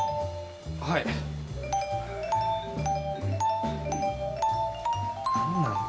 はい何なんだ